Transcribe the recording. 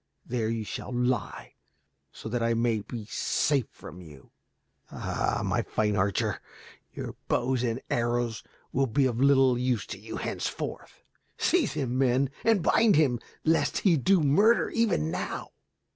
There you shall lie, so that I may be safe from you. Ah, my fine archer, your bows and arrows will be of little use to you henceforth. Seize him, men, and bind him, lest he do murder even now."